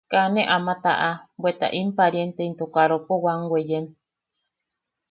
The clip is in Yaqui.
Kaa ne ama taʼa, bweta in pariente into karopo wam weyen.